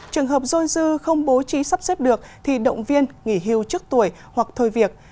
trường hợp dôi dư không bố trí sắp xếp được thì động viên nghỉ hưu trước tuổi hoặc thôi việc